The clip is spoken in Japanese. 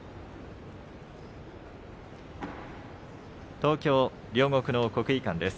東京・両国の国技館です。